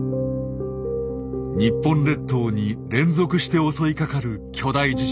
日本列島に連続して襲いかかる巨大地震。